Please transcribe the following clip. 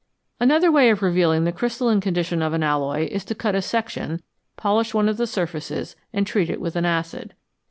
324 FROM SOLUTIONS TO CRYSTALS Another way of revealing the crystalline condition of an alloy is to cut a section, polish one of the surfaces, and treat it with an acid.